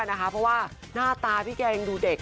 เพราะว่าหน้าตาพี่แกยังดูเด็ก